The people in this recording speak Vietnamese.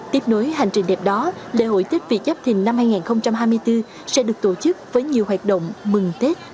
tiếp nối hành trình đẹp đó lễ hội tết việt giáp thình năm hai nghìn hai mươi bốn sẽ được tổ chức với nhiều hoạt động mừng tết